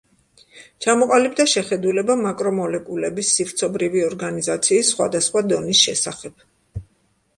ჩამოყალიბდა შეხედულება მაკრომოლეკულების სივრცობრივი ორგანიზაციის სხვადასხვა დონის შესახებ.